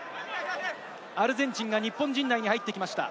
アルゼンチンが日本陣内に入ってきました。